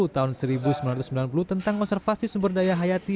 tahun seribu sembilan ratus sembilan puluh tentang konservasi sumber daya hayati